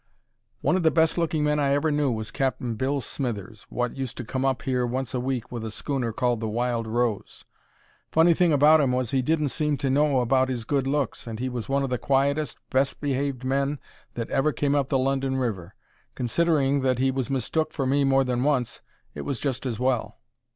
One o' the best looking men I ever knew was Cap'n Bill Smithers, wot used to come up here once a week with a schooner called the Wild Rose. Funny thing about 'im was he didn't seem to know about 'is good looks, and he was one o' the quietest, best behaved men that ever came up the London river. Considering that he was mistook for me more than once, it was just as well.